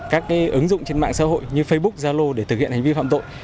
các ứng dụng trên mạng xã hội như facebook zalo để thực hiện hành vi phạm tội